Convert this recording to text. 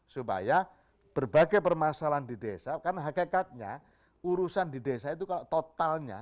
supaya berbagai permasalahan di desa karena hakikatnya urusan di desa itu kalau totalnya